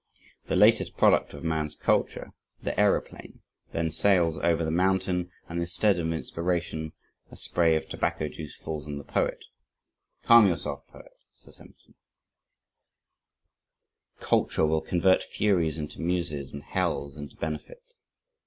The latest product of man's culture the aeroplane, then sails o'er the mountain and instead of an inspiration a spray of tobacco juice falls on the poet. "Calm yourself, Poet!" says Emerson, "culture will convert furies into muses and hells into benefit.